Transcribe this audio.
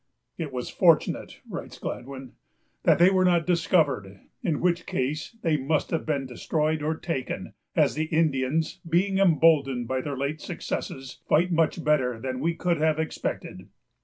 "It was fortunate," writes Gladwyn, "that they were not discovered, in which case they must have been destroyed or taken, as the Indians, being emboldened by their late successes, fight much better than we could have expected."